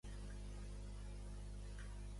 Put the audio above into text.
Prospera en sòls salins o sòls sòdics.